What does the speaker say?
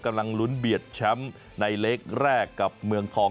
กำลังลุ้นเบียดแชมป์ในเล็กแรกกับเมืองทอง